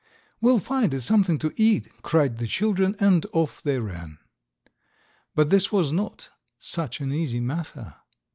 "We'll find it something to eat," cried the children, and off they ran. But this was not such an easy matter.